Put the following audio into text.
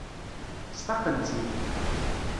Sfaqen-tt-id.